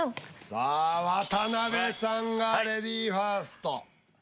さあ渡辺さんがレディーファースト。